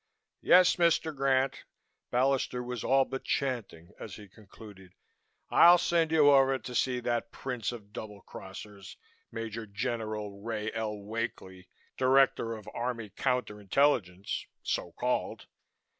"Yes, Mr. Grant " Ballister was all but chanting as he concluded "I'll send you over to see that prince of double crossers, Major General Ray L. Wakely, director of Army Counter Intelligence, so called.